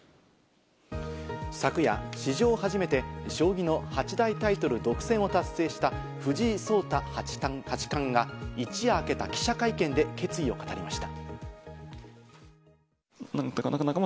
昨夜、史上初めて将棋の八大タイトル独占を達成した、藤井聡太八冠が一夜明けた記者会見で決意を語りました。